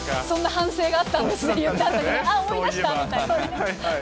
そんな反省があったんですね。